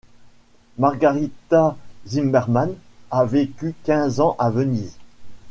Margarita Zimmermann a vécu quinze ans à Venise.